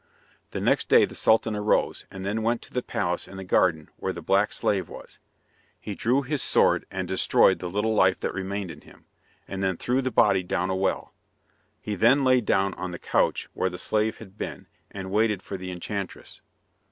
The next day the Sultan arose, and then went to the palace in the garden where the black slave was. He drew his sword and destroyed the little life that remained in him, and then threw the body down a well. He then lay down on the couch where the slave had been, and waited for the enchantress.